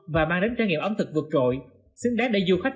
và mang đến trải nghiệm ẩm thực vượt trội xứng đáng để du khách